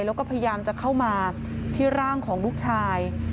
แล้วก็พยายามจะเข้ามาที่ร่างของลูกชาย